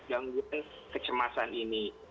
gangguan kecemasan ini